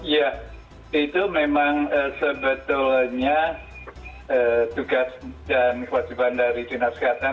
ya itu memang sebetulnya tugas dan kewajiban dari dinas kesehatan